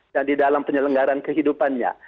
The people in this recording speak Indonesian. dan di dalam penyelenggaran kehidupannya